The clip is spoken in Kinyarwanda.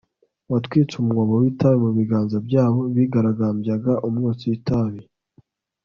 watwitse umwobo w'itabi mu biganza byabo bigaragambyaga umwotsi w'itabi